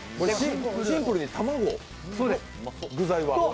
シンプルに卵、具材は？